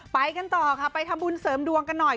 ไปกันต่อค่ะไปทำบุญเสริมดวงกันหน่อย